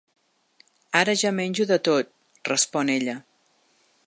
Ara ja menjo de tot, respon ella.